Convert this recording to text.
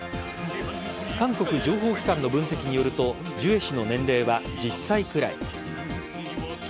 韓国情報機関の分析によるとジュエ氏の年齢は１０歳くらい。